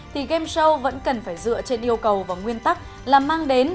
thì game show vẫn cần phải dựa trên yêu cầu và nguyên tắc là mang đến